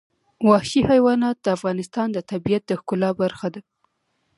وحشي حیوانات د افغانستان د طبیعت د ښکلا برخه ده.